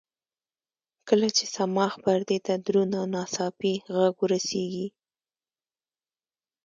کله چې صماخ پردې ته دروند او ناڅاپي غږ ورسېږي.